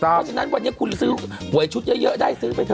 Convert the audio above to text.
เพราะฉะนั้นวันนี้คุณซื้อหวยชุดเยอะได้ซื้อไปเ